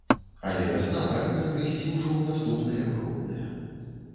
Але вясна павінна прыйсці ўжо ў наступныя выходныя.